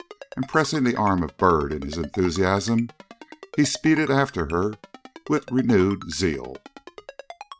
And pressing the arm of Byrd in his enthusiasm, he speeded after her with renewed zeal.